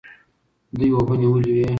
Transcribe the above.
دوی اوبه نیولې وې.